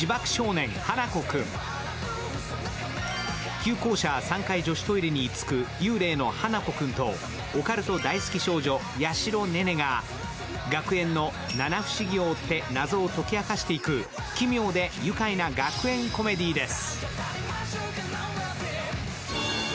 旧校舎３階女子トイレに居つく幽霊の花子くんとオカルト大好き少女・八尋寧々が学園の七不思議を追って謎を解き明かしていく奇妙で愉快な学園コメディーです。